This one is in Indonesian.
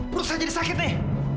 terus saya jadi sakit nih